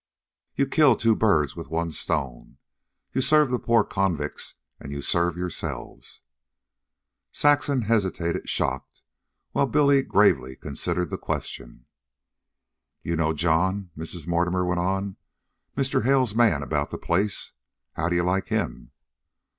You kill two birds with one stone. You serve the poor convicts, and you serve yourselves." Saxon hesitated, shocked; while Billy gravely considered the question. "You know John," Mrs. Mortimer went on, "Mr. Hale's man about the place? How do you like him?"